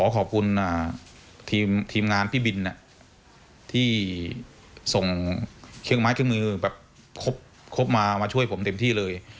ขอบคุณทีมงานพี่บินที่ส่งเครื่องไม้เครื่องมือแบบครบมามาช่วยผมเต็มที่เลย